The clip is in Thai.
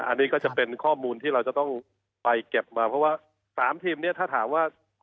อันนี้ก็จะเป็นข้อมูลที่เราจะต้องไปเก็บมาเพราะว่า๓ทีมนี้ถ้าถามว่า